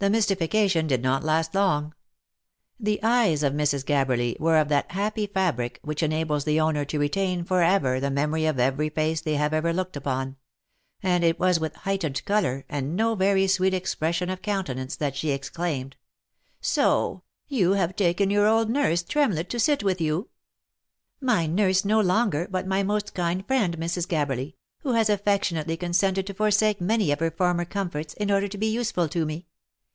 The mystification did not last long. The eyes of Mrs. Gabberly were of that happy fabric, which enables the owner to retain for ever the memory of every face they have ever looked upon ; and it was with heightened colour, and no very sweet expression of coun tenance, that she exclaimed, " Soh ! you have taken your old nurse, Tremlett, to sit with you ?"" My nurse no longer, but my most kind friend, Mrs. Gabberly, who has affectionately consented to forsake many of her former comforts, in order to be useful to me.